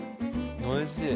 おいしい！